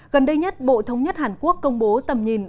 gần đây nhất bộ thống nhất hàn quốc công bố tầm nhìn